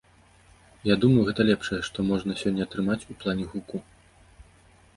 Я думаю, гэта лепшае, што можна сёння атрымаць у плане гуку.